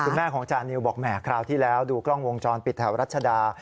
คุณแม่ของจานิวบอกแห่คราวที่แล้วดูกล้องวงจรปิดแถวรัชดา